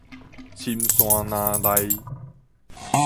深山林內